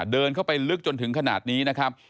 เดินเข้าไปลึกจนถึงขนาดนี้นะครับ